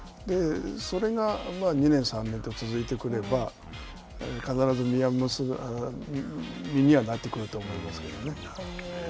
それが２年３年と続いてくれば、必ず実にはなってくると思いますけどね。